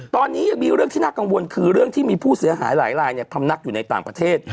ตอนนี้ยังมีเรื่องที่น่ากังวลคือเรื่องที่มีผู้เสียหายหลายลายพำนักอยู่ในต่างประเทศ